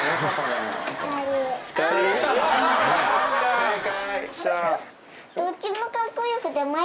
正解！